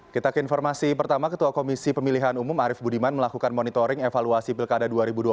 kita ke informasi pertama ketua komisi pemilihan umum arief budiman melakukan monitoring evaluasi pilkada dua ribu dua puluh